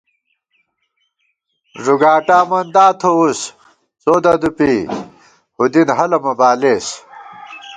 ݫُگاٹامندا تھووُس څو ددُوپی ہُودِن ہَلہ مہ بالېس